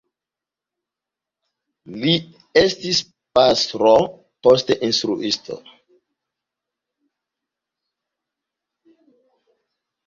Li estis pastro, poste instruisto.